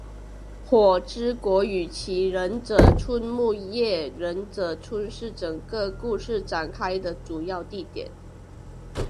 火之国与其忍者村木叶忍者村是整个故事展开的主要地点。